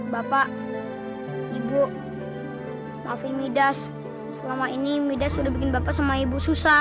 bapak ibu afri midas selama ini midas sudah bikin bapak sama ibu susah